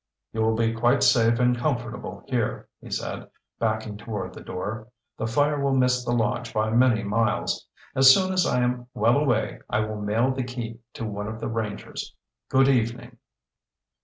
"You will be quite safe and comfortable here," he said, backing toward the door. "The fire will miss the lodge by many miles. As soon as I am well away I will mail the key to one of the rangers. Good evening."